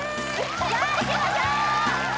さあいきましょう・